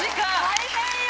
大変よ